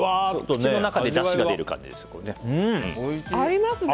口の中でだしが出る感じですよね。